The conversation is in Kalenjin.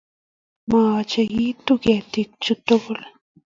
Maechekitu ketik chuu tugul